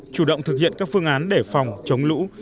chủ động thực hiện các phương án để phòng chống lũ